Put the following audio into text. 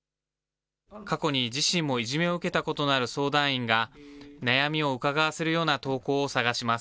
過去に自身もいじめを受けたことのある相談員が、悩みをうかがわせるような投稿を探します。